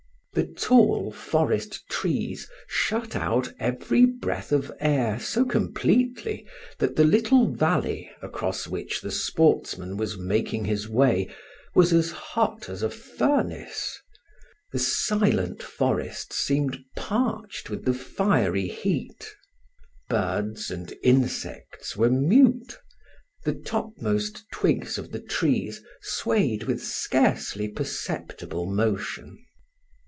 The tall forest trees shut out every breath of air so completely that the little valley across which the sportsman was making his way was as hot as a furnace; the silent forest seemed parched with the fiery heat. Birds and insects were mute; the topmost twigs of the trees swayed with scarcely perceptible motion.